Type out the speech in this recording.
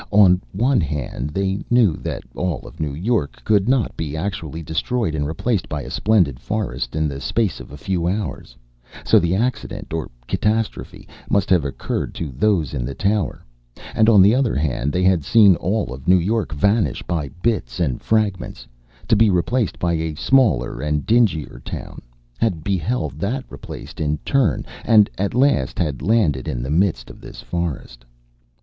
On the one hand they knew that all of New York could not be actually destroyed and replaced by a splendid forest in the space of a few hours, so the accident or catastrophe must have occurred to those in the tower, and on the other hand, they had seen all of New York vanish by bits and fragments, to be replaced by a smaller and dingier town, had beheld that replaced in turn, and at last had landed in the midst of this forest.